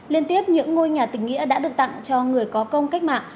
liên tiếp những ngôi nhà tỉnh nghĩa đã được tặng cho người có công cách mạng